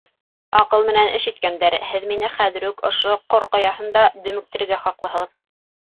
Аҡыл менән эш иткәндәр! һеҙ мине хәҙер үк, ошо Ҡор Ҡаяһында, дөмөктөрөргә хаҡлыһығыҙ.